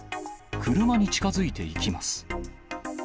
車に近づいていきます。